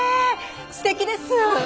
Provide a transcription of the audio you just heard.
すてきです！